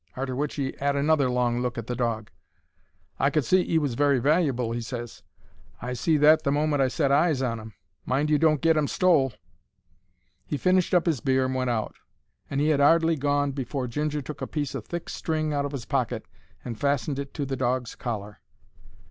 Arter which he 'ad another look at the dog. "I could see 'e was very valuable," he ses. "I see that the moment I set eyes on 'im. Mind you don't get 'im stole." He finished up 'is beer and went out; and he 'ad 'ardly gone afore Ginger took a piece o' thick string out of 'is pocket and fastened it to the dog's collar.